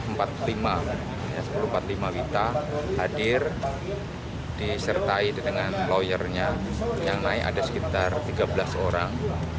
sepuluh empat puluh lima wita hadir disertai dengan lawyernya yang naik ada sekitar tiga belas orang